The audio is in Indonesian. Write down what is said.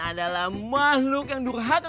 adalah makhluk yang durhatan